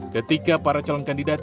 ketika para calon kandidat